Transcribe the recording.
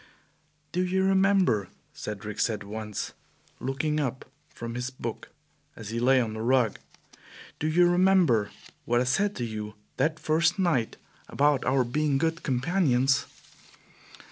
"Do you remember," Cedric said once, looking up from his book as he lay on the rug, "do you remember what I said to you that first night about our being good companions?